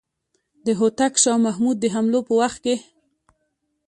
د هوتک شاه محمود د حملو په وخت کې.